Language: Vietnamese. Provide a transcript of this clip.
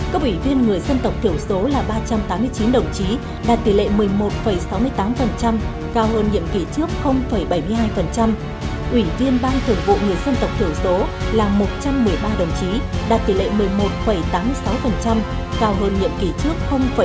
cao hơn nhiệm kỷ trước năm mươi một